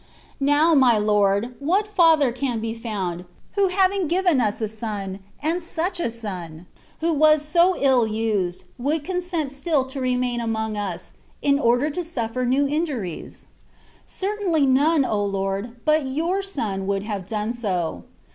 Now, my Lord, what father can be found, who having given us a Son (and such a Son I) who was 168 THE WAY OF PERFECTION. SO ill used, would consent still to remain among tis, in order to suflfer new injuries? Certainly none, O Lord ! but your Son would have done so.